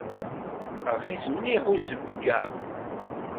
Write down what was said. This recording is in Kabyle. Rxis mliḥ uzebg-a.